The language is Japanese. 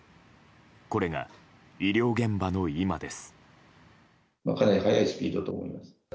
これが医療現場の今です。